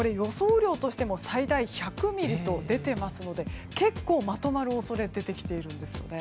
雨量としても最大１００ミリと出ていますので結構、まとまる恐れが出てきているんですよね。